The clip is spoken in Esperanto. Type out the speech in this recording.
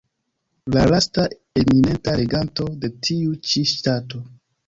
La lasta eminenta reganto de tiu ĉi ŝtato.